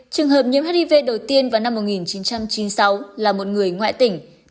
trường hợp nhiễm hiv đầu tiên vào năm một nghìn chín trăm chín mươi sáu là một người ngoại tỉnh